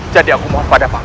jadi aku mohon pada pak